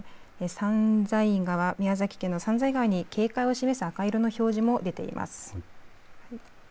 三財川、宮崎県の三財川に警戒を示す赤色の表示も出ています。